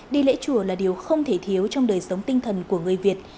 đi lễ chùa là điều không thể thiếu trong đời sống tinh thần của người việt